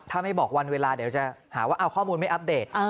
ถ้าไม่บอกวันเวลาเดี๋ยวจะหาว่าเอาข้อมูลไม่อัปเดต